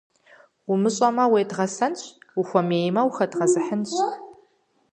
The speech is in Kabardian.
Умыщӏэмэ – уедгъэсэнщ, ухуэмеймэ - ухэдгъэзыхьынщ.